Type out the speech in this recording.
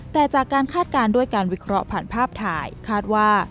แต่จากการคาดการณ์ด้วยการวิเคราะห์ผ่านภาพถ่ายคาดว่า